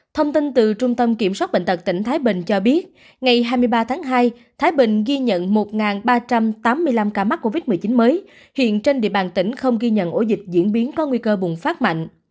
thông tin từ trung tâm kiểm soát bệnh tật tỉnh thái bình cho biết ngày hai mươi ba tháng hai thái bình ghi nhận một ba trăm tám mươi năm ca mắc covid một mươi chín mới hiện trên địa bàn tỉnh không ghi nhận ổ dịch diễn biến có nguy cơ bùng phát mạnh